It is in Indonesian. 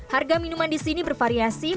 harga minuman di sini bervariasi